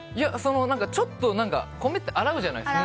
ちょっと米って洗うじゃないですか。